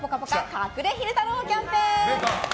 隠れ昼太郎キャンペーン。